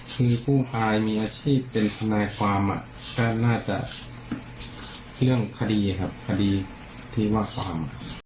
คือผู้ตายมีอาชีพเป็นทนายความก็น่าจะเรื่องคดีครับคดีที่ว่าความ